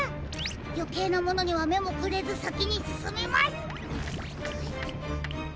よけいなものにはめもくれずさきにすすみます！